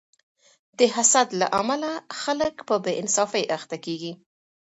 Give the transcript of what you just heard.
د حسد له امله خلک په بې انصافۍ اخته کیږي.